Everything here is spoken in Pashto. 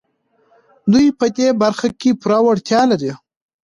دوی په دې برخه کې پوره وړتيا لري.